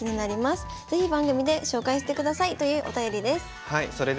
是非番組で紹介してください」というお便りです。